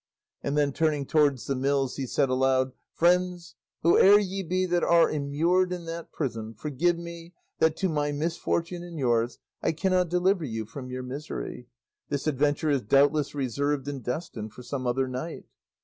And then turning towards the mills he said aloud, "Friends, whoe'er ye be that are immured in that prison, forgive me that, to my misfortune and yours, I cannot deliver you from your misery; this adventure is doubtless reserved and destined for some other knight."